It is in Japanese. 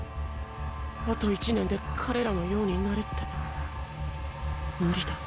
あと１年で彼らのようになれって？